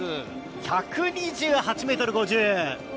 １２８ｍ５０。